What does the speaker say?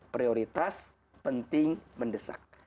prioritas penting mendesak